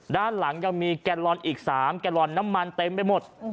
ด้านหลังยังมีแกนลอนอีก๓แกลลอนน้ำมันเต็มไปหมด